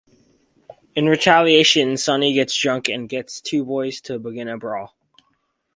In retaliation, Sunny gets drunk and gets two boys to begin a brawl.